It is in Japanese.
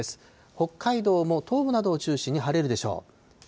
北海道も東部などを中心に晴れるでしょう。